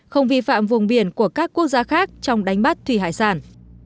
không vi phạm vùng biển của các quốc gia khác trong đánh bắt thủy hải sản